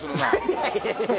いやいやいや。